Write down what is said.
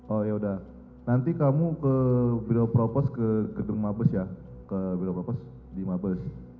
oh yaudah nanti kamu ke biro propos ke gedung mabes ya ke biro propos di mabes